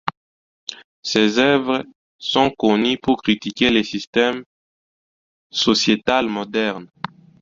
Ses œuvres sont connues pour critiquer le système sociétal moderne.